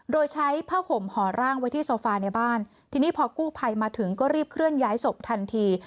โดยใช้ผ้าห่มห่อร่างไว้ที่โซฟาในบ้านทีนี้พอกู้ภัยมาถึงก็รีบเคลื่อนย้ายศพทันที